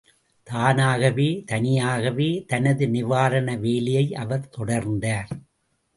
தானாகவே தனியாகவே தனது நிவாரண வேலையை அவர் தொடர்ந்தார்.